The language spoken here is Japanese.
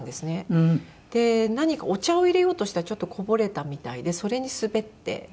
何かお茶を入れようとしたらちょっとこぼれたみたいでそれに滑って。